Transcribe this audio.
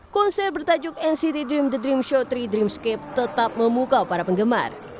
konser bertajuk nct dream the dream show tiga dream scape tetap memukau para penggemar